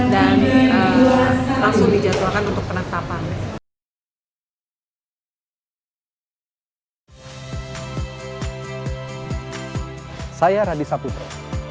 dan langsung dijadwalkan untuk penetapan